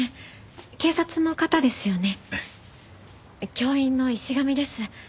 教員の石上です。